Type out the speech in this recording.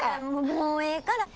もうええから。